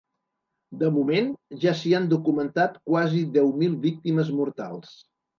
De moment, ja s’hi han documentat quasi deu mil víctimes mortals.